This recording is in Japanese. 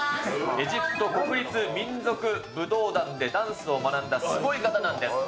エジプト国立民族舞踊団でダンスを学んだすごい方なんです。